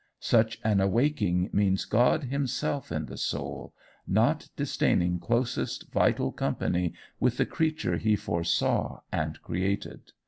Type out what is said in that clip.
Such an awaking means God himself in the soul, not disdaining closest vital company with the creature he foresaw and created.